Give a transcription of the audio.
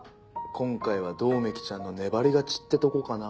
今回は百目鬼ちゃんの粘り勝ちってとこかな。